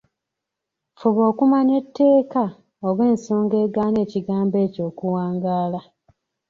Fuba okumanya etteeka oba ensonga egaana ekigambo ekyo okuwangaala.